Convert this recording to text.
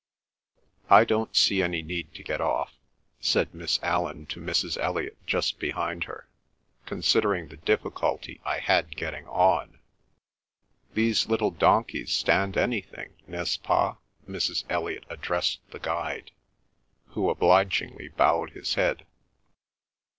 "I don't see any need to get off," said Miss Allan to Mrs. Elliot just behind her, "considering the difficulty I had getting on." "These little donkeys stand anything, n'est ce pas?" Mrs. Elliot addressed the guide, who obligingly bowed his head.